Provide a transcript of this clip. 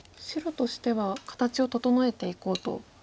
白としては形を整えていこうと。